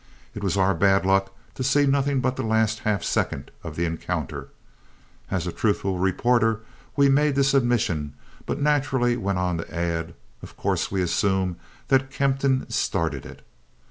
It was our bad luck to see nothing but the last half second of the encounter. As a truthful reporter we made this admission but naturally went on to add, "Of course, we assume that Kempton started it."